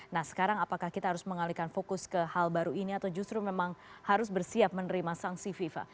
nah sekarang apakah kita harus mengalihkan fokus ke hal baru ini atau justru memang harus bersiap menerima sanksi fifa